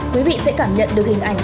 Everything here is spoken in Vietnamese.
quý vị sẽ cảm nhận được hình ảnh